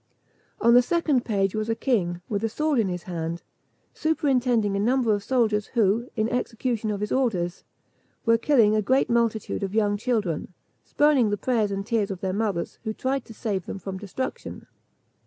On the second page was a king, with a sword in his hand, superintending a number of soldiers, who, in execution of his orders, were killing a great multitude of young children, spurning the prayers and tears of their mothers, who tried to save them from destruction.